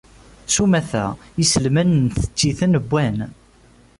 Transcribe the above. S umata, iselman nttett-iten wwan.